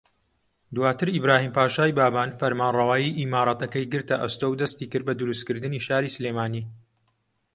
دواتر ئیبراھیم پاشای بابان فەرمانڕەوایی ئیمارەتەکەی گرتە ئەستۆ و دەستیکرد بە دروستکردنی شاری سلێمانی